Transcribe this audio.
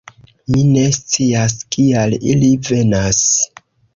Mi ne scias, kial ili venas....